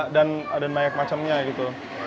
dan banyak macamnya gitu